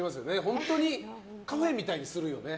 本当にカフェみたいにするよね